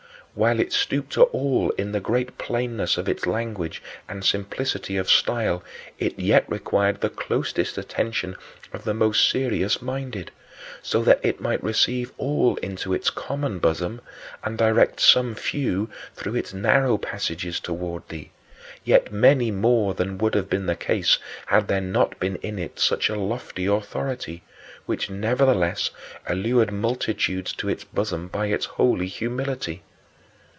While it stooped to all in the great plainness of its language and simplicity of style, it yet required the closest attention of the most serious minded so that it might receive all into its common bosom, and direct some few through its narrow passages toward thee, yet many more than would have been the case had there not been in it such a lofty authority, which nevertheless allured multitudes to its bosom by its holy humility.